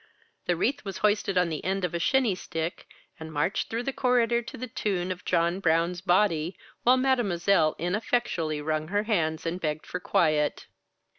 The wreath was hoisted on the end of a shinny stick and marched through the corridor to the tune of "John Brown's Body," while Mademoiselle ineffectually wrung her hands and begged for quiet.